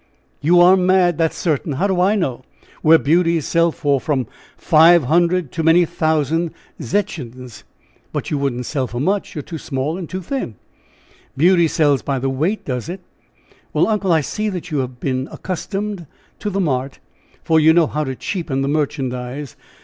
"You are mad; that's certain! How do I know where beauties sell for from five hundred to many thousand zechins. But you wouldn't sell for much; you're too small and too thin." "Beauty sells by the weight, does it? Well, uncle, I see that you have been accustomed to the mart, for you know how to cheapen the merchandise!